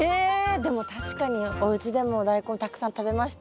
でも確かにおうちでもダイコンたくさん食べました。